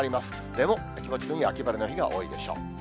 でも、気持ちのいい秋晴れの日が多いでしょう。